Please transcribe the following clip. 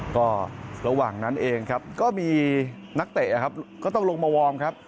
ก็ระหว่างนั้นเองครับก็มีนักเตะนะครับก็ต้องลงมาวอร์มครับ